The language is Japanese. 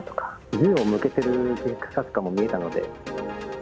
銃を向けてる警察官も見えたので。